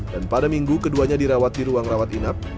dan pada minggu keduanya dirawat di ruang rawat inap